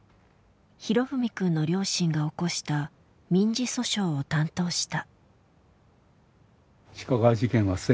裕史くんの両親が起こした民事訴訟を担当した。